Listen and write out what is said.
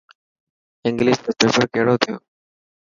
انگلش رو پيپر ڪهڙو ٿيو.